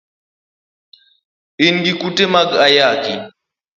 In gi kute mag ayaki.